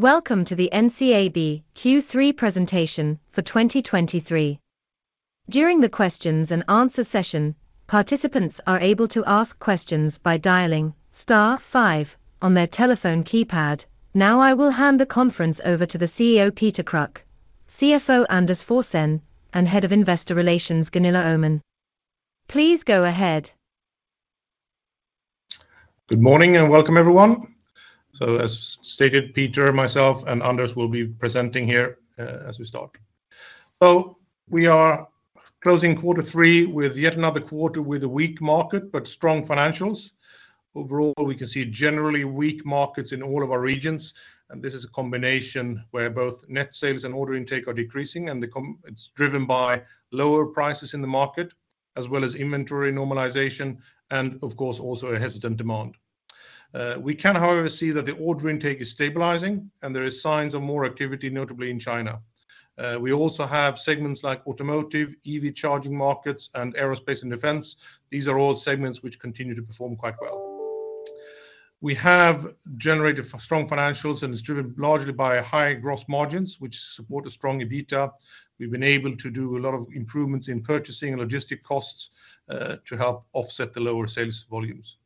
Welcome to the NCAB Q3 presentation for 2023. During the questions and answer session, participants are able to ask questions by dialing star five on their telephone keypad. Now, I will hand the conference over to the CEO, Peter Kruk, CFO, Anders Forsén, and Head of Investor Relations, Gunilla Öhman. Please go ahead. Good morning, and welcome everyone. As stated, Peter, myself, and Anders will be presenting here as we start. We are closing quarter three with yet another quarter with a weak market, but strong financials. Overall, we can see generally weak markets in all of our regions, and this is a combination where both net sales and order intake are decreasing, and it's driven by lower prices in the market, as well as inventory normalization, and of course, also a hesitant demand. We can, however, see that the order intake is stabilizing and there is signs of more activity, notably in China. We also have segments like automotive, EV charging markets, and aerospace and defense. These are all segments which continue to perform quite well. We have generated strong financials, and it's driven largely by high gross margins, which support a strong EBITDA. We've been able to do a lot of improvements in purchasing and logistic costs, to help offset the lower sales volumes.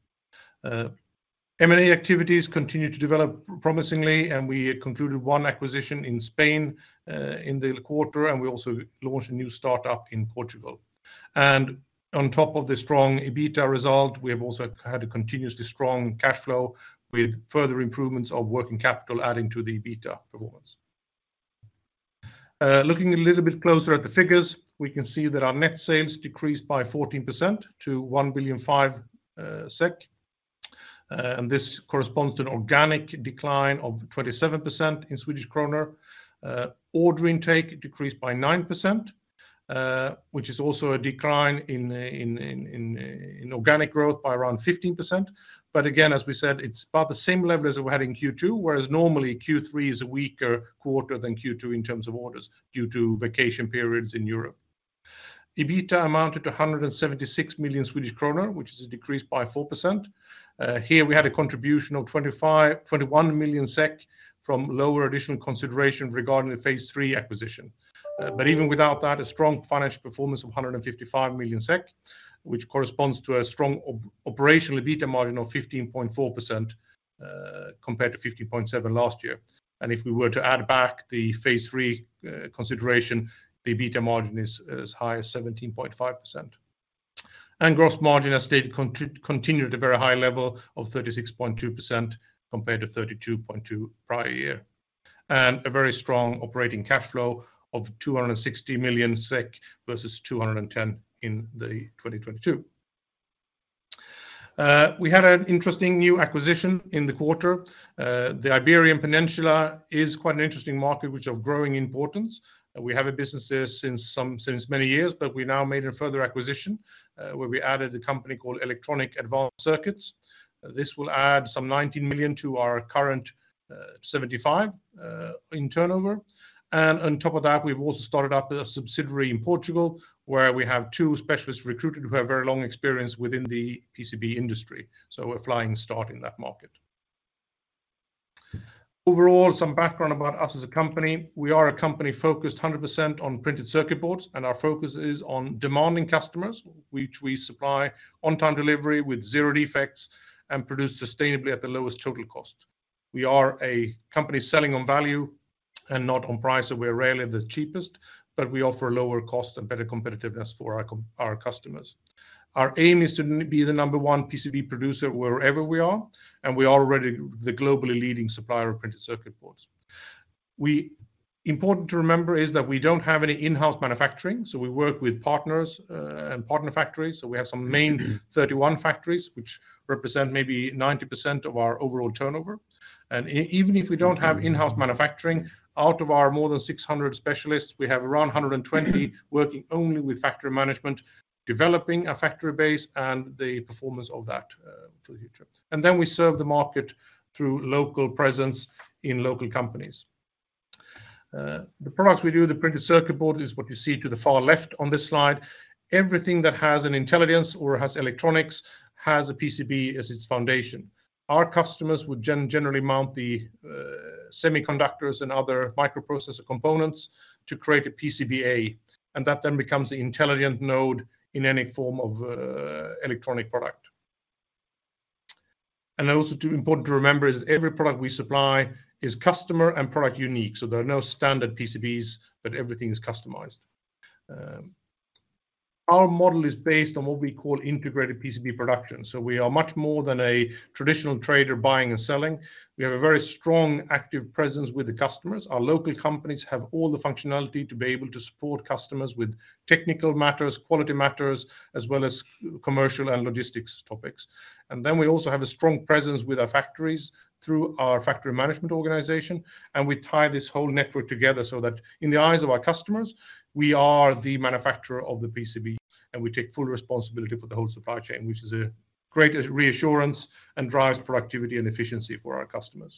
M&A activities continue to develop promisingly, and we concluded one acquisition in Spain, in the quarter, and we also launched a new startup in Portugal. On top of the strong EBITDA result, we have also had a continuously strong cash flow, with further improvements of working capital adding to the EBITDA performance. Looking a little bit closer at the figures, we can see that our net sales decreased by 14% to 1.5 billion, and this corresponds to an organic decline of 27% in Swedish krona. Order intake decreased by 9%, which is also a decline in organic growth by around 15%. But again, as we said, it's about the same level as we had in Q2, whereas normally, Q3 is a weaker quarter than Q2 in terms of orders due to vacation periods in Europe. EBITDA amounted to 176 million Swedish kronor, which is a decrease by 4%. Here we had a contribution of 21 million SEK from lower additional consideration regarding the phase III acquisition. But even without that, a strong financial performance of 155 million SEK, which corresponds to a strong operational EBITDA margin of 15.4%, compared to 15.7% last year. And if we were to add back the phase III consideration, the EBITDA margin is as high as 17.5%. Gross margin, as stated, continued at a very high level of 36.2%, compared to 32.2% prior year. A very strong operating cash flow of 260 million SEK versus 210 million in 2022. We had an interesting new acquisition in the quarter. The Iberian Peninsula is quite an interesting market, which of growing importance. We have a business there since many years, but we now made a further acquisition, where we added a company called Electronic Advanced Circuits. This will add some 19 million to our current 75 million in turnover. On top of that, we've also started up a subsidiary in Portugal, where we have two specialists recruited who have very long experience within the PCB industry. So we're a flying start in that market. Overall, some background about us as a company. We are a company focused 100% on printed circuit boards, and our focus is on demanding customers, which we supply on-time delivery with zero defects and produce sustainably at the lowest total cost. We are a company selling on value and not on price, so we're rarely the cheapest, but we offer lower costs and better competitiveness for our customers. Our aim is to be the number one PCB producer wherever we are, and we are already the globally leading supplier of printed circuit boards. Important to remember is that we don't have any in-house manufacturing, so we work with partners and partner factories. So we have some main 31 factories, which represent maybe 90% of our overall turnover. Even if we don't have in-house manufacturing, out of our more than 600 specialists, we have around 120 working only with factory management, developing a factory base and the performance of that to the future. And then we serve the market through local presence in local companies. The products we do, the printed circuit board, is what you see to the far left on this slide. Everything that has an intelligence or has electronics has a PCB as its foundation. Our customers would generally mount the semiconductors and other microprocessor components to create a PCBA, and that then becomes the intelligent node in any form of electronic product. And also, too important to remember is every product we supply is customer and product-unique, so there are no standard PCBs, but everything is customized. Our model is based on what we call integrated PCB production, so we are much more than a traditional trader buying and selling. We have a very strong, active presence with the customers. Our local companies have all the functionality to be able to support customers with technical matters, quality matters, as well as commercial and logistics topics. And then we also have a strong presence with our factories through our factory management organization, and we tie this whole network together so that in the eyes of our customers, we are the manufacturer of the PCB, and we take full responsibility for the whole supply chain, which is a great reassurance and drives productivity and efficiency for our customers.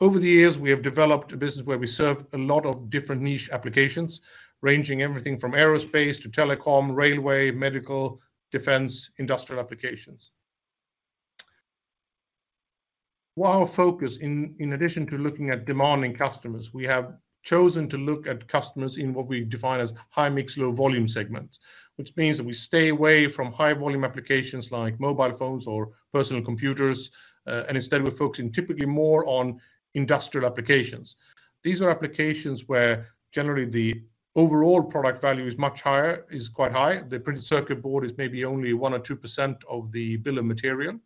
Over the years, we have developed a business where we serve a lot of different niche applications, ranging everything from aerospace to telecom, railway, medical, defense, industrial applications. While our focus, in addition to looking at demanding customers, we have chosen to look at customers in what we define as high-mix, low-volume segments, which means that we stay away from high-volume applications like mobile phones or personal computers, and instead, we're focusing typically more on industrial applications. These are applications where generally the overall product value is much higher, is quite high. The printed circuit board is maybe only 1% or 2% of the bill of material.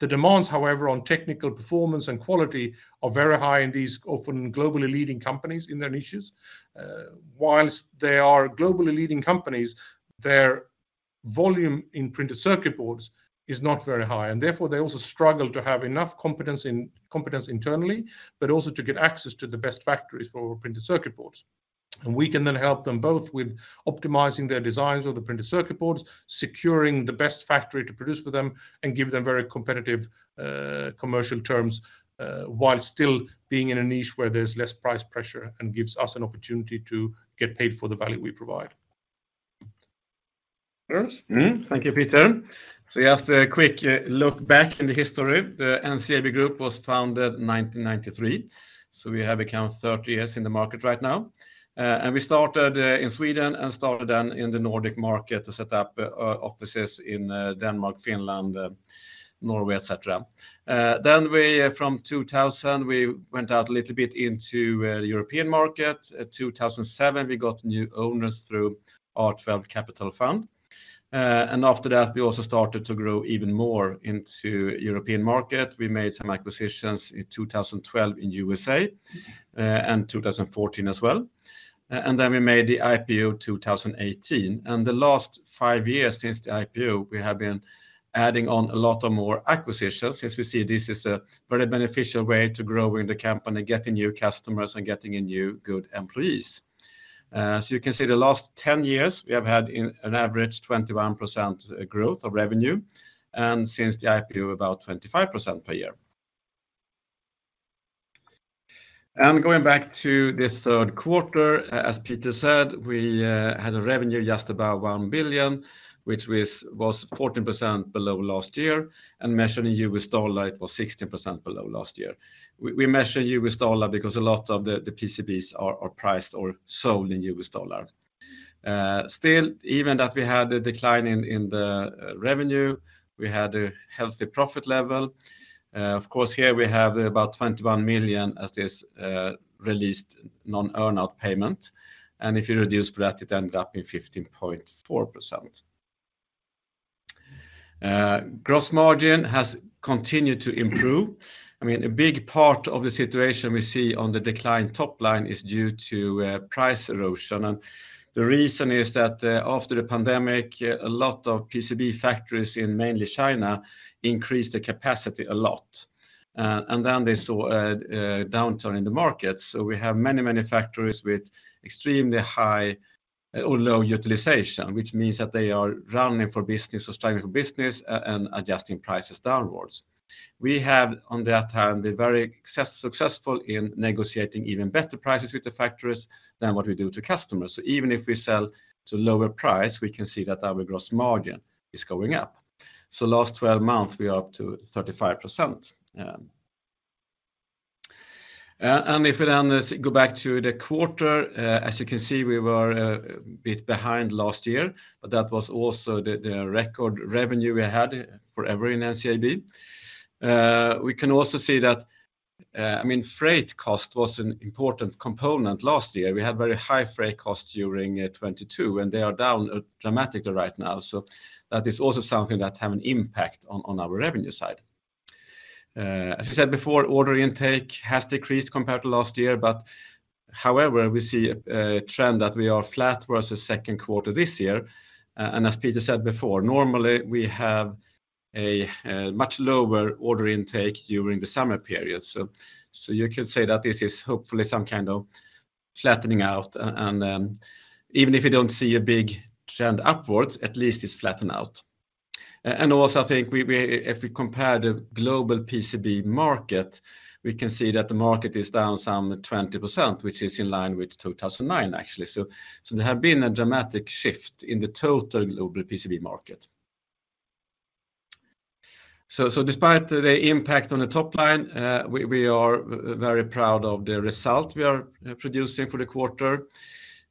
The demands, however, on technical performance and quality are very high in these often globally leading companies in their niches. While they are globally leading companies, their volume in printed circuit boards is not very high, and therefore, they also struggle to have enough competence internally, but also to get access to the best factories for printed circuit boards. We can then help them both with optimizing their designs of the printed circuit boards, securing the best factory to produce for them, and give them very competitive commercial terms, while still being in a niche where there's less price pressure and gives us an opportunity to get paid for the value we provide. Yes. Thank you, Peter. So just a quick look back in the history. The NCAB Group was founded in 1993, so we have about 30 years in the market right now. And we started in Sweden and started then in the Nordic market to set up offices in Denmark, Finland, Norway, et cetera. Then we, from 2000, we went out a little bit into the European market. At 2007, we got new owners through R12 Capital Fund. And after that, we also started to grow even more into European market. We made some acquisitions in 2012 in USA and 2014 as well. And then we made the IPO in 2018, and the last five years since the IPO, we have been adding on a lot of more acquisitions. As you see, this is a very beneficial way to grow in the company, getting new customers and getting in new, good employees. So you can see the last 10 years, we have had an average 21% growth of revenue, and since the IPO, about 25% per year. And going back to this third quarter, as Peter said, we had revenue just about 1 billion, which was 14% below last year, and measured in U.S. dollar, it was 16% below last year. We measure in U.S. dollar because a lot of the PCBs are priced or sold in U.S. dollar. Still, even that we had a decline in the revenue, we had a healthy profit level. Of course, here we have about 21 million at this released non-earn-out payment, and if you reduce that, it ended up in 15.4%. Gross margin has continued to improve. I mean, a big part of the situation we see on the decline top line is due to price erosion, and the reason is that after the pandemic, a lot of PCB factories in mainly China increased the capacity a lot, and then they saw a downturn in the market. So we have many manufacturers with extremely high or low utilization, which means that they are rounding for business or struggling for business and adjusting prices downwards. We have, on that hand, been very successful in negotiating even better prices with the factories than what we do to customers. So even if we sell to lower price, we can see that our gross margin is going up. So last twelve months, we are up to 35%. And if we then go back to the quarter, as you can see, we were a bit behind last year, but that was also the record revenue we had forever in NCAB. We can also see that, I mean, freight cost was an important component last year. We had very high freight costs during 2022, and they are down dramatically right now, so that is also something that have an impact on our revenue side. As I said before, order intake has decreased compared to last year, but however, we see a trend that we are flat versus second quarter this year, and as Peter said before, normally, we have a much lower order intake during the summer period. So you could say that this is hopefully some kind of flattening out, and even if you don't see a big trend upwards, at least it's flattened out. And also, I think we if we compare the global PCB market, we can see that the market is down some 20%, which is in line with 2009, actually. So there have been a dramatic shift in the total global PCB market. So despite the impact on the top line, we are very proud of the result we are producing for the quarter,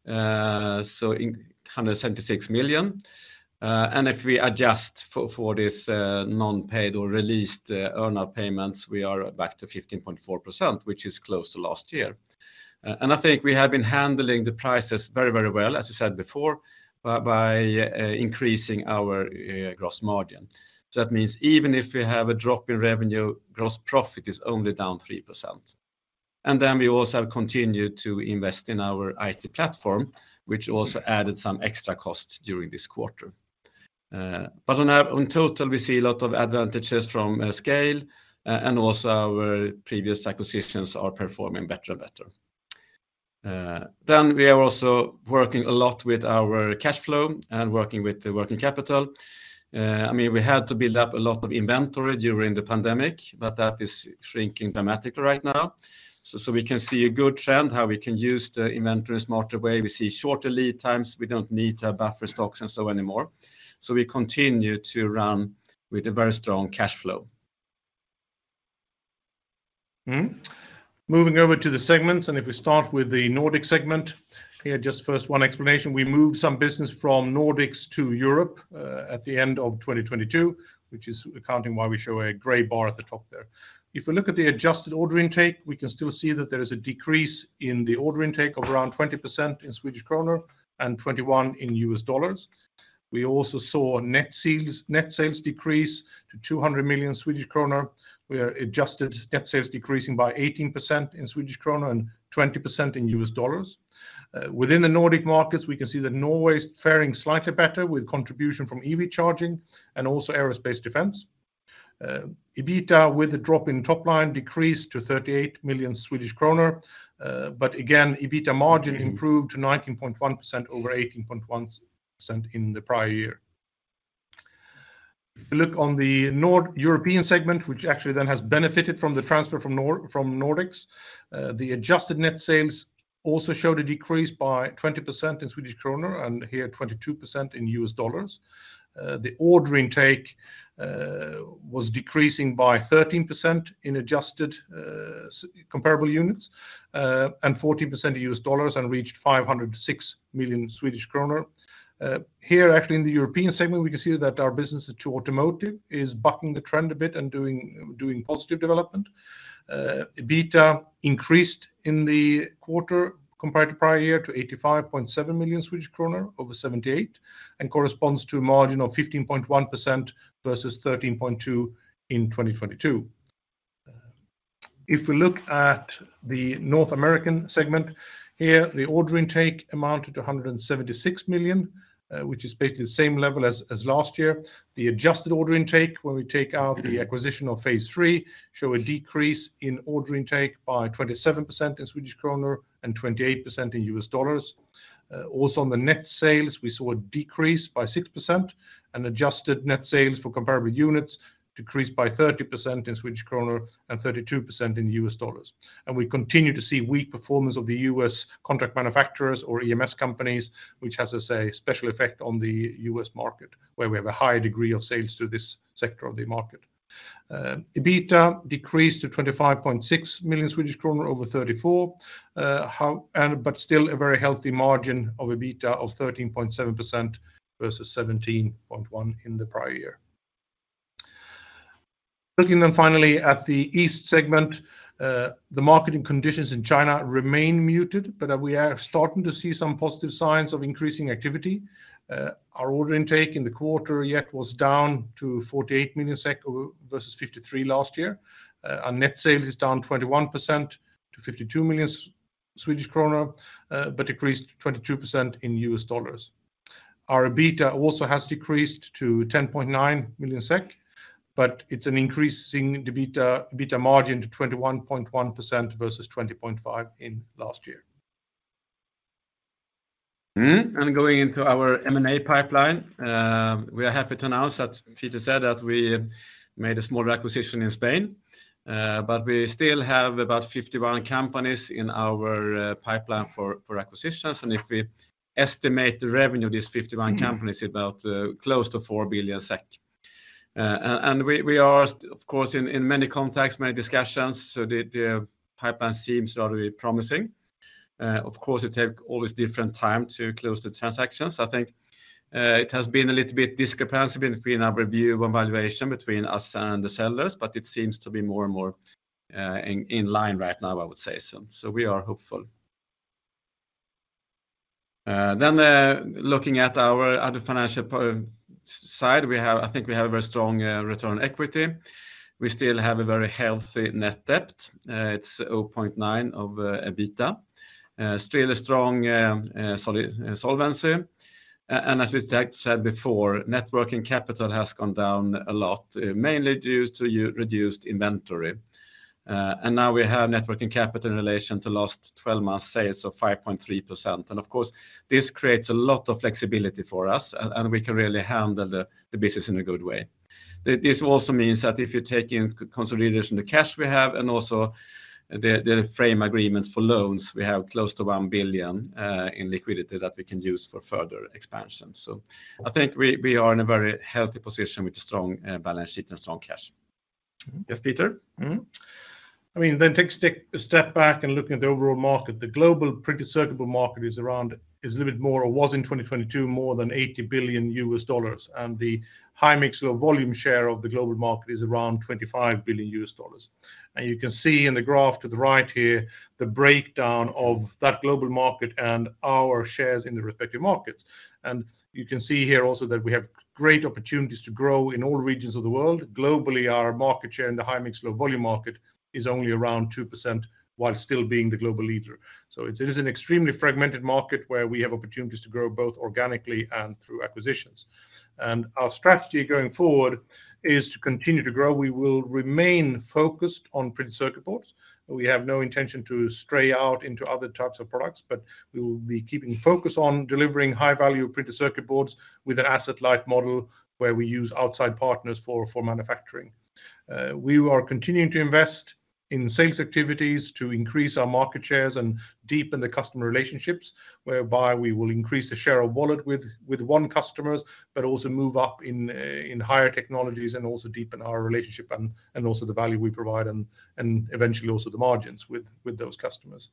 so 176 million. And if we adjust for this non-paid or released earn-out payments, we are back to 15.4%, which is close to last year. And I think we have been handling the prices very, very well, as I said before, by increasing our gross margin. So that means even if we have a drop in revenue, gross profit is only down 3%. And then we also continued to invest in our IT platform, which also added some extra costs during this quarter. But on total, we see a lot of advantages from a scale, and also our previous acquisitions are performing better and better. Then we are also working a lot with our cash flow and working with the working capital. I mean, we had to build up a lot of inventory during the pandemic, but that is shrinking dramatically right now. So we can see a good trend, how we can use the inventory in a smarter way. We see shorter lead times. We don't need to buffer stocks and so anymore. So we continue to run with a very strong cash flow. Moving over to the segments, and if we start with the Nordic segment, here, just first one explanation. We moved some business from Nordics to Europe at the end of 2022, which is accounting why we show a gray bar at the top there. If we look at the adjusted order intake, we can still see that there is a decrease in the order intake of around 20% in Swedish krona and 21% in U.S. dollars. We also saw net sales, net sales decrease to 200 million Swedish kronor, where adjusted net sales decreasing by 18% in Swedish krona and 20% in U.S. dollars. Within the Nordic markets, we can see that Norway is faring slightly better with contribution from EV charging and also aerospace defense. EBITDA, with a drop in top line, decreased to 38 million Swedish kronor, but again, EBITDA margin improved to 19.1% over 18.1% in the prior year. If you look on the European segment, which actually then has benefited from the transfer from Nordics, the adjusted net sales also showed a decrease by 20% in SEK, and here, 22% in U.S. dollars. The order intake was decreasing by 13% in adjusted, comparable units, and 14% in U.S. dollars, and reached 506 million Swedish kronor. Here, actually, in the European segment, we can see that our business to automotive is bucking the trend a bit and doing positive development. EBITDA increased in the quarter compared to prior year to 85.7 million Swedish kronor over 78, and corresponds to a margin of 15.1% versus 13.2% in 2022. If we look at the North American segment, here, the order intake amounted to 176 million, which is basically the same level as last year. The adjusted order intake, when we take out the acquisition of phase III, show a decrease in order intake by 27% in Swedish krona and 28% in US dollars. Also on the net sales, we saw a decrease by 6%, and adjusted net sales for comparable units decreased by 30% in Swedish krona and 32% in US dollars. We continue to see weak performance of the U.S. contract manufacturers or EMS companies, which has a special effect on the U.S. market, where we have a high degree of sales to this sector of the market. EBITDA decreased to 25.6 million Swedish kronor over 34, and but still a very healthy margin of EBITDA of 13.7% versus 17.1% in the prior year. Looking then finally at the East segment, the market conditions in China remain muted, but we are starting to see some positive signs of increasing activity. Our order intake in the quarter yet was down to 48 million SEK versus 53 million last year. Our net sales is down 21% to 52 million Swedish kronor, but decreased 22% in U.S. dollars. Our EBITDA also has decreased to 10.9 million SEK, but it's an increasing EBITDA, EBITDA margin to 21.1% versus 20.5% in last year. And going into our M&A pipeline, we are happy to announce that Peter said that we made a small acquisition in Spain, but we still have about 51 companies in our pipeline for acquisitions. And if we estimate the revenue, these 51 companies about close to 4 billion SEK. And we are, of course, in many contacts, many discussions, so the pipeline seems rather promising. Of course, it take always different time to close the transactions. I think, it has been a little bit discrepancy between our review and valuation between us and the sellers, but it seems to be more and more in line right now, I would say so. So we are hopeful. Then, looking at our other financial side, we have, I think we have a very strong return on equity. We still have a very healthy net debt. It's 0.9 of EBITDA. Still a strong solvency. And as we said before, net working capital has gone down a lot, mainly due to reduced inventory. And now we have net working capital in relation to last twelve months sales of 5.3%. And of course, this creates a lot of flexibility for us, and we can really handle the business in a good way. This also means that if you take in consideration the cash we have and also the frame agreement for loans, we have close to 1 billion in liquidity that we can use for further expansion. So I think we are in a very healthy position with strong balance sheet and strong cash. Yes, Peter? Mm-hmm. I mean, then take a step back and looking at the overall market, the global printed circuit board market is a little bit more, or was in 2022, more than $80 billion, and the high-mix low-volume share of the global market is around $25 billion. And you can see in the graph to the right here, the breakdown of that global market and our shares in the respective markets. And you can see here also that we have great opportunities to grow in all regions of the world. Globally, our market share in the high-mix low-volume market is only around 2%, while still being the global leader. It is an extremely fragmented market where we have opportunities to grow, both organically and through acquisitions. Our strategy going forward is to continue to grow. We will remain focused on printed circuit boards. We have no intention to stray out into other types of products, but we will be keeping focus on delivering high-value printed circuit boards with an asset-light model where we use outside partners for manufacturing. We are continuing to invest in sales activities to increase our market shares and deepen the customer relationships, whereby we will increase the share of wallet with our customers, but also move up in higher technologies and also deepen our relationship and also the value we provide and eventually also the margins with those customers.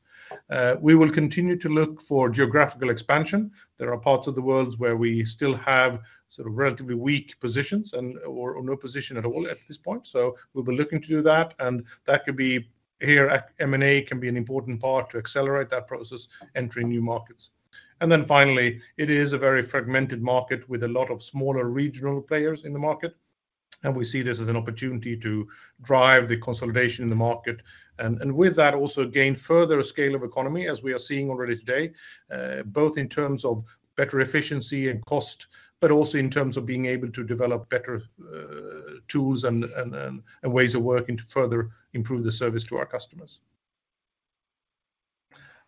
We will continue to look for geographical expansion. There are parts of the world where we still have sort of relatively weak positions and/or no position at all at this point. So we'll be looking to do that, and that could be here at M&A, can be an important part to accelerate that process, entering new markets. And then finally, it is a very fragmented market with a lot of smaller regional players in the market, and we see this as an opportunity to drive the consolidation in the market, and with that, also gain further scale of economy, as we are seeing already today, both in terms of better efficiency and cost, but also in terms of being able to develop better tools and ways of working to further improve the service to our customers.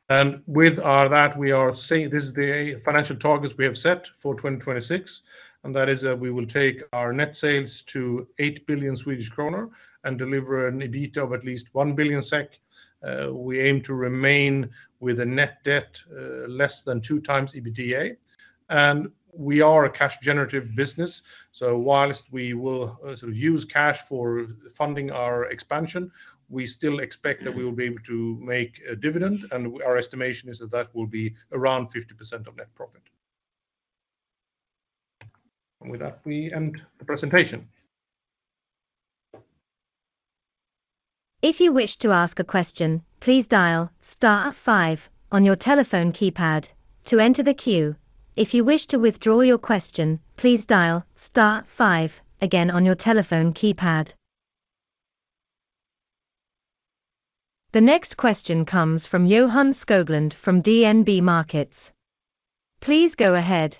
And with that, we are saying this is the financial targets we have set for 2026, and that is that we will take our net sales to 8 billion Swedish kronor and deliver an EBIT of at least 1 billion SEK. We aim to remain with a net debt less than 2x EBITDA, and we are a cash generative business. While we will also use cash for funding our expansion, we still expect that we will be able to make a dividend, and our estimation is that that will be around 50% of net profit. With that, we end the presentation. If you wish to ask a question, please dial star five on your telephone keypad to enter the queue. If you wish to withdraw your question, please dial star five again on your telephone keypad. The next question comes from Johan Skoglund from DNB Markets. Please go ahead.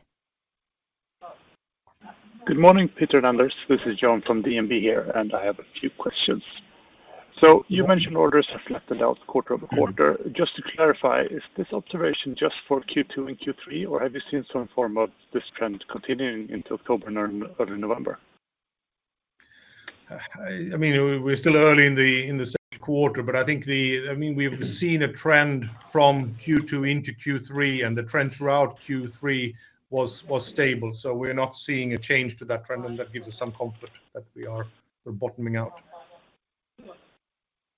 Good morning, Peter and Anders. This is Johan from DNB here, and I have a few questions. You mentioned orders have flattened out quarter-over-quarter. Just to clarify, is this observation just for Q2 and Q3, or have you seen some form of this trend continuing into October and early November? I mean, we're still early in the second quarter, but I think, I mean, we've seen a trend from Q2 into Q3, and the trend throughout Q3 was stable. So we're not seeing a change to that trend, and that gives us some comfort that we're bottoming out.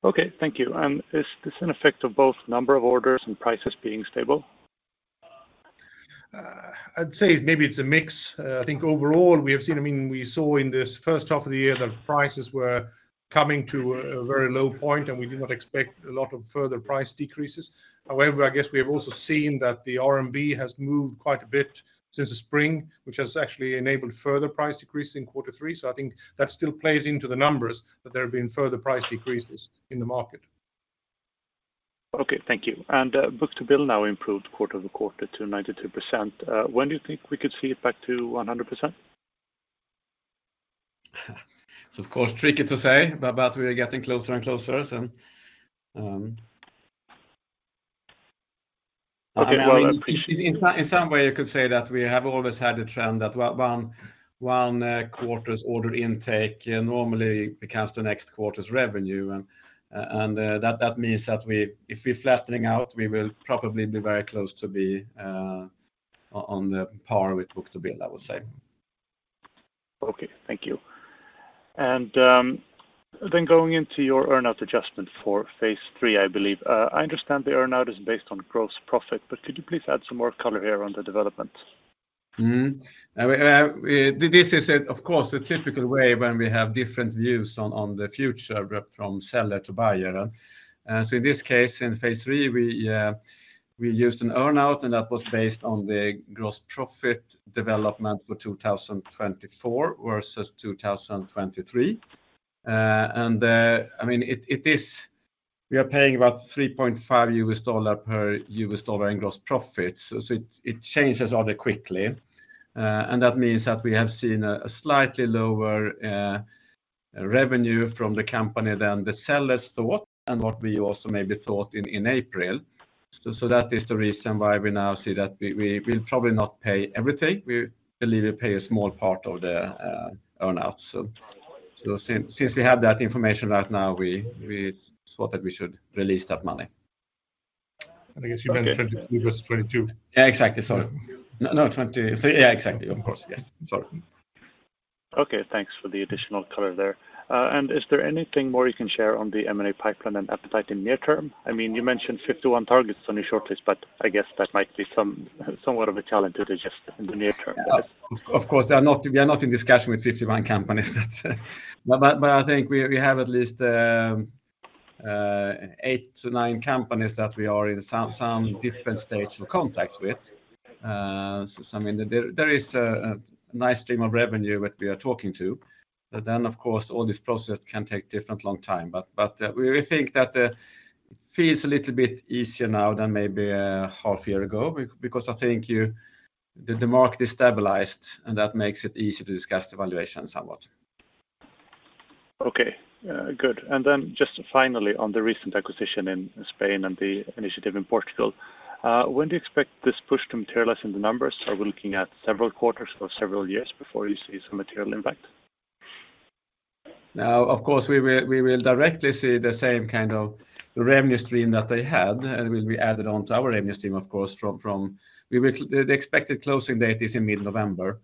Okay, thank you. And is this an effect of both number of orders and prices being stable? I'd say maybe it's a mix. I think overall, we have seen, I mean, we saw in this first half of the year that prices were coming to a very low point, and we do not expect a lot of further price decreases. However, I guess we have also seen that the RMB has moved quite a bit since the spring, which has actually enabled further price decreases in quarter three. So I think that still plays into the numbers, that there have been further price decreases in the market. Okay, thank you. Book-to-bill now improved quarter-over-quarter to 92%. When do you think we could see it back to 100%? It's of course tricky to say, but we are getting closer and closer and, Okay, well, In some way, you could say that we have always had a trend that one quarter's order intake normally becomes the next quarter's revenue, and that means that if we're flattening out, we will probably be very close to being on par with book-to-bill, I would say. Okay, thank you. And, then going into your earn-out adjustment for phase III, I believe. I understand the earn-out is based on gross profit, but could you please add some more color here on the development? I mean, this is, of course, the typical way when we have different views on the future, but from seller to buyer. So in this case, in phase III, we used an earn-out, and that was based on the gross profit development for 2024 versus 2023. And I mean, it is—we are paying about $3.5 per U.S. dollar in gross profit, so it changes rather quickly. And that means that we have seen a slightly lower revenue from the company than the sellers thought and what we also maybe thought in April. So that is the reason why we now see that we will probably not pay everything. We believe we pay a small part of the earn-out. Since we have that information right now, we thought that we should release that money. I guess you meant 22 + 22. Yeah, exactly. Sorry. No, no, 20. Yeah, exactly. Of course. Yeah. Sorry. Okay. Thanks for the additional color there. Is there anything more you can share on the M&A pipeline and appetite in near term? I mean, you mentioned 51 targets on your shortlist, but I guess that might be some, somewhat of a challenge to digest in the near term. Of course, we are not in discussion with 51 companies. But I think we have at least 8-9 companies that we are in some different stage of contacts with. So, I mean, there is a nice stream of revenue that we are talking to, but then, of course, all this process can take different long time. But we think that the field is a little bit easier now than maybe half year ago, because I think the market is stabilized, and that makes it easy to discuss the valuation somewhat. Okay, good. And then just finally on the recent acquisition in Spain and the initiative in Portugal. When do you expect this push to materialize in the numbers? Are we looking at several quarters or several years before you see some material impact? Now, of course, we will directly see the same kind of revenue stream that they had, and will be added on to our revenue stream, of course, from the expected closing date in mid-November.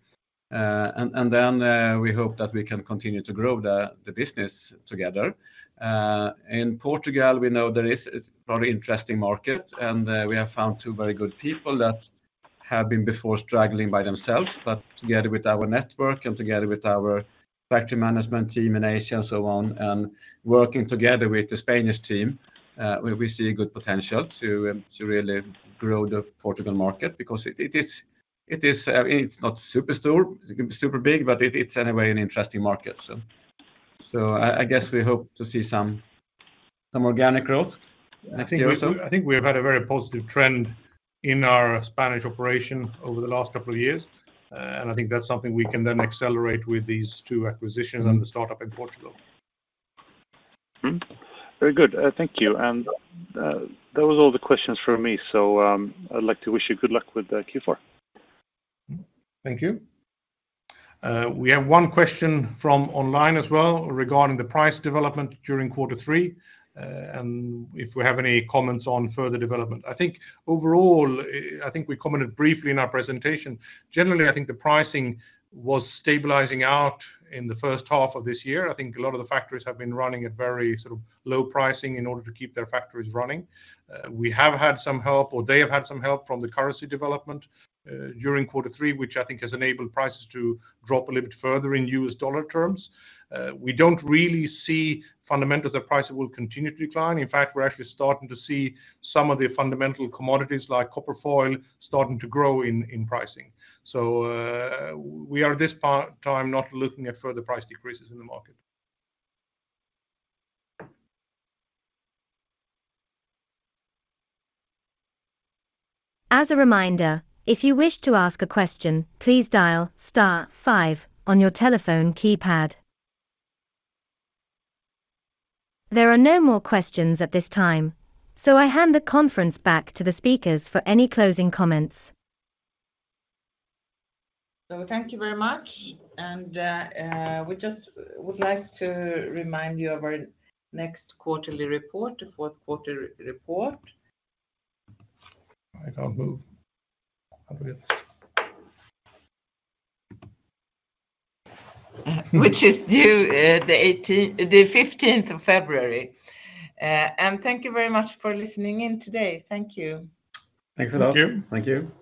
And then we hope that we can continue to grow the business together. In Portugal, we know there is a very interesting market, and we have found two very good people that have been before struggling by themselves, but together with our network and together with our factory management team in Asia and so on, and working together with the Spanish team, we see a good potential to really grow the Portugal market because it is, it's not super store, super big, but it's anyway an interesting market. So, I guess we hope to see some organic growth. I think we, I think we have had a very positive trend in our Spanish operation over the last couple of years, and I think that's something we can then accelerate with these two acquisitions and the startup in Portugal. Mm-hmm. Very good. Thank you. And that was all the questions for me, so I'd like to wish you good luck with Q4. Thank you. We have one question from online as well regarding the price development during quarter three, and if we have any comments on further development. I think overall, I think we commented briefly in our presentation. Generally, I think the pricing was stabilizing out in the first half of this year. I think a lot of the factories have been running at very sort of low pricing in order to keep their factories running. We have had some help, or they have had some help from the currency development, during quarter three, which I think has enabled prices to drop a little bit further in U.S. dollar terms. We don't really see fundamentals of price will continue to decline. In fact, we're actually starting to see some of the fundamental commodities, like copper foil, starting to grow in pricing. We are at this part time not looking at further price decreases in the market. As a reminder, if you wish to ask a question, please dial star five on your telephone keypad. There are no more questions at this time, so I hand the conference back to the speakers for any closing comments. Thank you very much, and we just would like to remind you of our next quarterly report, the fourth quarter report. I can't move. Which is due, the 18th, the 15th of February. Thank you very much for listening in today. Thank you. Thanks a lot. Thank you. Thank you.